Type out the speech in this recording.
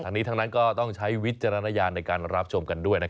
ทั้งนี้ทั้งนั้นก็ต้องใช้วิจารณญาณในการรับชมกันด้วย